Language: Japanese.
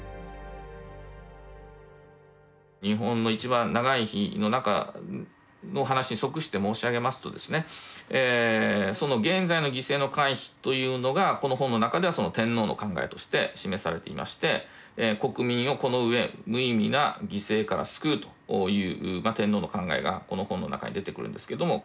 「日本のいちばん長い日」の中の話に即して申し上げますとですねというのがこの本の中では天皇の考えとして示されていまして国民をこの上無意味な犠牲から救うという天皇の考えがこの本の中に出てくるんですけども。